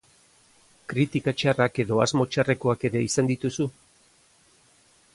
Kritika txarrak edo asmo txarrekoak ere izan dituzu?